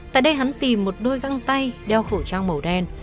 tại đây hắn tìm một đôi găng tay đeo khẩu trang màu đen